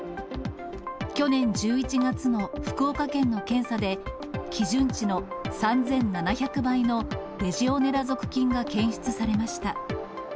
去年１１月の福岡県の検査で、基準値の３７００倍のレジオネラ属菌が検出されました。